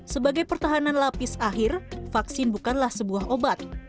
sebagai pertahanan lapis akhir vaksin bukanlah sebuah obat